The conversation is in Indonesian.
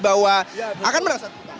akan menang satu putaran